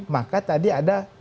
maka tadi ada